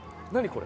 これ。